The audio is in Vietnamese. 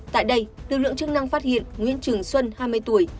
tại đây lực lượng chức năng phát hiện nguyễn trường xuân hai mươi tuổi